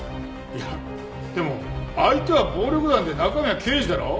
いやでも相手は暴力団で中身は刑事だろ。